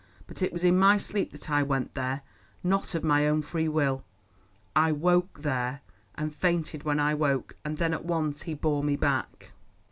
But it was in my sleep that I went there, not of my own free will. I awoke there, and fainted when I woke, and then at once he bore me back."